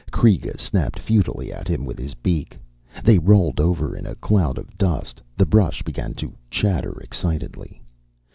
Kreega snapped futilely at him with his beak. They rolled over in a cloud of dust. The brush began to chatter excitedly.